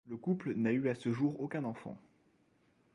Le couple n'a eu à ce jour aucun enfant.